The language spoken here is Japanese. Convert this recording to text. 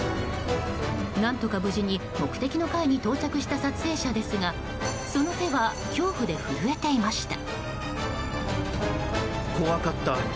何とか無事に目的の階に到着した撮影者ですがその手は恐怖で震えていました。